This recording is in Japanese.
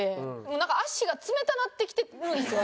なんか足が冷たなってきてるんですよ